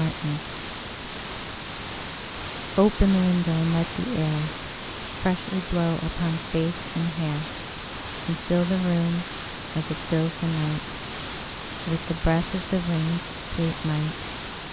Nelson] OPEN the window, and let the air Freshly blow upon face and hair, And fill the room, as it fills the night, With the breath of the rain's sweet might.